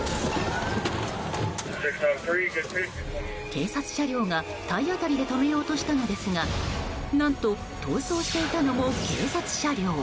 警察車両が体当たりで止めようとしたのですが何と、逃走していたのも警察車両。